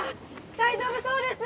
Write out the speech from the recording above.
大丈夫そうです・